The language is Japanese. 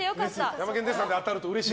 ヤマケン・デッサンで当たるとうれしい？